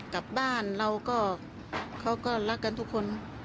กลับบ้านเราก็เขาก็รักกันทุกคน